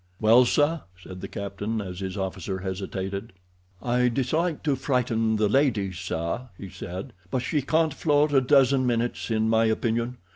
"Well, sir?" said the captain, as his officer hesitated. "I dislike to frighten the ladies, sir," he said, "but she can't float a dozen minutes, in my opinion.